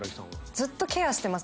ずっとケアしてます